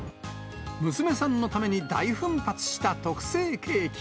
娘さんのために大奮発した特製ケーキ。